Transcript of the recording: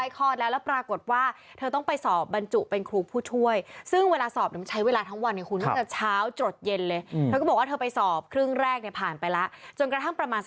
ใกล้ครอสแล้วแล้วปรากฏว่า